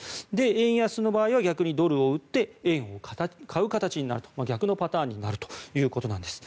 円安の場合は逆にドルを売って円を買う形になると逆のパターンになるということです。